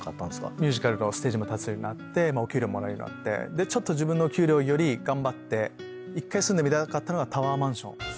ミュージカルのステージ立つようになってお給料もらえるようになってちょっとお給料より頑張って１回住んでみたかったのはタワーマンション。